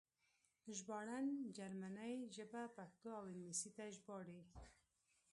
ژباړن جرمنۍ ژبه پښتو او انګلیسي ته ژباړي